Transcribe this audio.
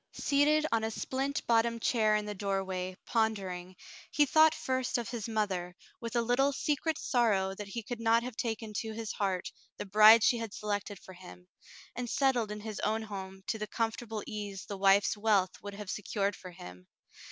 Seated on a splint bottomed chair in the doorway, pondering, he thought first of his mother, with a little secret sorrow that he could not have taken to his heart the bride she had selected for him, and settled in his own home to the comfortable ease the wife's wealth would have se cured for him.